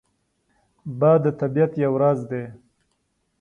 باد د طبیعت یو راز دی